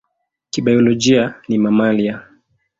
Kibiolojia ni mamalia.